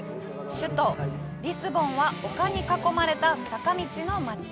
首都リスボンは丘に囲まれた坂道の街。